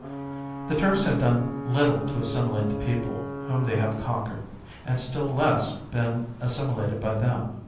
The Turks have done little to assimilate the people whom they have conquered, and still less, been assimilated by them.